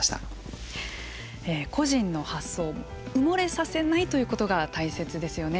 個人の発想、埋もれさせないということが大切ですよね。